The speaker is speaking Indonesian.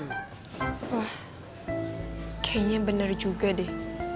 wah kayaknya benar juga deh